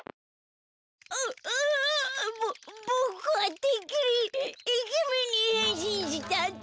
うううっぼぼくはてっきりイケメンにへんしんしたと。